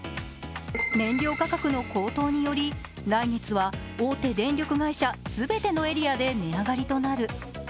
燃料価格の高騰により、来月は大手電力会社、すべてのエリアで値上がりとなる。